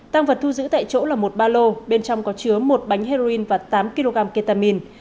tăng vật thu giữ tại chỗ là một ba lô bên trong có chứa một bánh heroin và tám kg ketamin